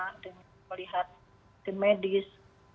kita lihat ke medis